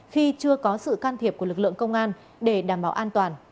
khi chưa có sự can thiệp của lực lượng công an để đảm bảo an toàn